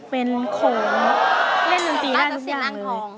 เป็นโขนเล่นงโนนตรีได้ทุกชนิด